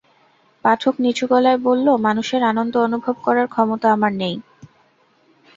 পাঠক নিচু গলায় বলল, মানুষের আনন্দ অনুভব করার ক্ষমতা আমার নেই।